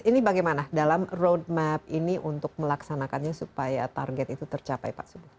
ini bagaimana dalam road map ini untuk melaksanakannya supaya target itu tercapai